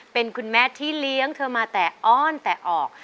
เป็นคุณแม่ที่เลี้ยงเธอมาแต่อ้อนแต่ออก